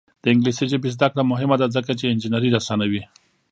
د انګلیسي ژبې زده کړه مهمه ده ځکه چې انجینري اسانوي.